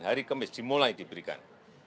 hari kemis dimulai diberikan